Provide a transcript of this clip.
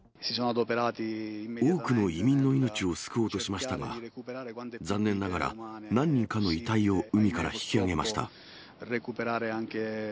多くの移民の命を救おうとしましたが、残念ながら、何人かの遺体を海から引き上げました。